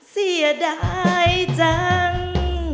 เสียดายจัง